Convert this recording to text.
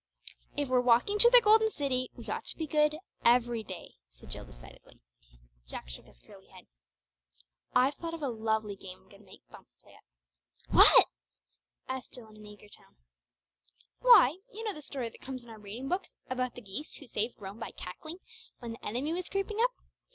"If we're walking to the Golden City, we ought to be good every day," said Jill decidedly. Jack shook his curly head. "I've thought of a lovely game I'm going to make Bumps play at." "What?" asked Jill in an eager tone. "Why you know the story that comes in our reading books about the geese who saved Rome by cackling when the enemy was creeping up.